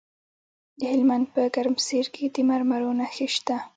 د هلمند په ګرمسیر کې د مرمرو نښې شته.